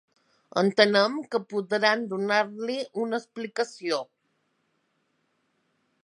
Entenem que podran donar-li una explicació.